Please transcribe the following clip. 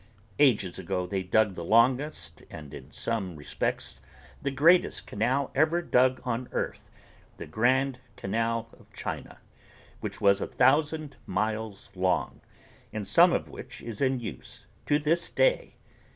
Ages ago they dug the longest and in some respects the greatest canal ever dug on earth, the Grand Canal of China, which was a thousand miles long and some of which is in use to this day.